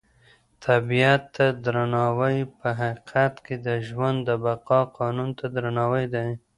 طبیعت ته درناوی په حقیقت کې د ژوند د بقا قانون ته درناوی دی.